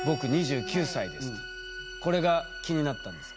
これが気になったんですか？